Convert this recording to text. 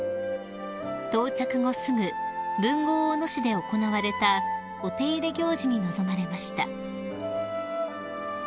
［到着後すぐ豊後大野市で行われたお手入れ行事に臨まれました］